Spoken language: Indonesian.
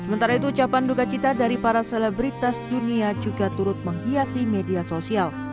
sementara itu ucapan duka cita dari para selebritas dunia juga turut menghiasi media sosial